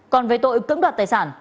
còn về tội cấm đoạt tài sản